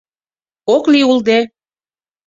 — Ок лий улде!